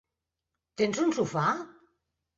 Tens un sofà?